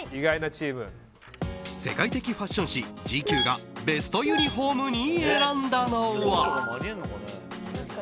世界的ファッション誌「ＧＱ」がベストユニホームに選んだのは。